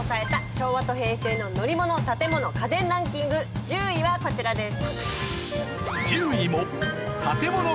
昭和と平成の乗り物・建物・家電ランキング１０位はこちらです。